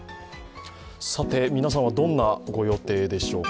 さて、皆さんはどんなご予定でしょうか。